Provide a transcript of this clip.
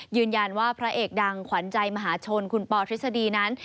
ยืนยันว่าพระเอกดังขวัญใจมหาชนคุณปอธิษฎีนั้น